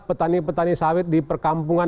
petani petani sawit di perkampungan